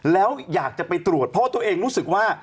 แล้วอยากจะไปตรวจเพราะตัวเองรู้สึกว่า